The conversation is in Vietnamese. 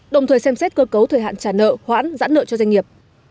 đồng thời xem xét cơ cấu thời hạn trả nợ khoản giãn nợ cho doanh nghiệp